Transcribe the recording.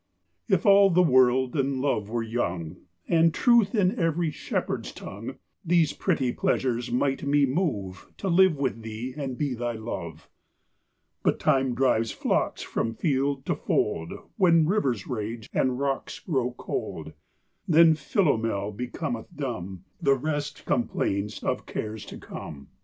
If all the world and Love were young, And truth in every shepherd's tongue, These pretty pleasures might me move To live with thee and be thy love. But time drives flocks from field to fold, When rivers rage, and rocks grow cold; Then Philomel becometh dumb, The rest complains of cares to come.